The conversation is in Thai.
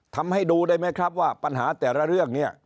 ทำให้ดูได้ไหมครับว่าปัญหาแต่ละเรื่องเนี่ย